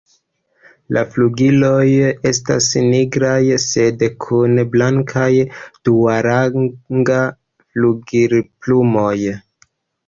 La flugiloj estas nigraj sed kun blankaj duarangaj flugilplumoj.